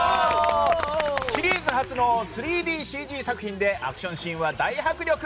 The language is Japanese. シリーズ初の３ＤＣＧ作品でアクションシーンは大迫力！